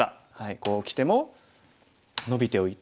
こうきてもノビておいて。